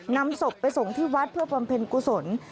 นำศพไปส่งที่วัดเพื่อบำเพ็ญกุศล